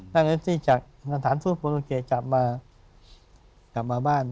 นั่งแท็กซี่จากสถานธุรกิจกลับมาบ้าน